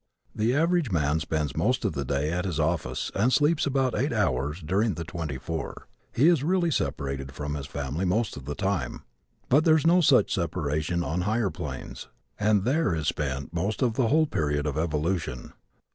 The average man spends most of the day at his office and sleeps about eight hours during the twenty four. He is really separated from his family most of the time. But there is no such separation on higher planes and there is spent most of the whole period of evolution.